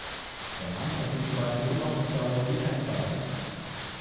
Der Mann verfügt über eine Beobachtungsgabe wie kein zweiter.